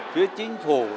phía chính phủ